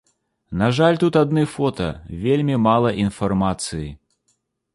На жаль тут адны фота, вельмі мала інфармацыі.